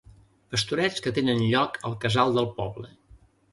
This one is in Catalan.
Pastorets que tenen lloc al casal del poble.